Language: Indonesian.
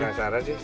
iya mau lihat